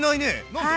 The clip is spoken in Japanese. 何で？